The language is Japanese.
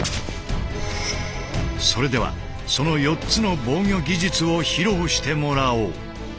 それではその４つの防御技術を披露してもらおう。